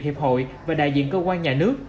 hiệp hội và đại diện cơ quan nhà nước